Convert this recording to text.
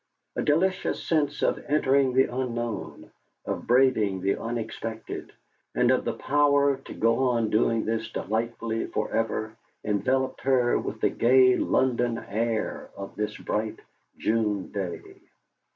A delicious sense of entering the unknown, of braving the unexpected, and of the power to go on doing this delightfully for ever, enveloped her with the gay London air of this bright June day.